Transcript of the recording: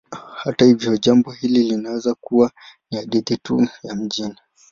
Hata hivyo, jambo hili linaweza kuwa ni hadithi tu ya mijini.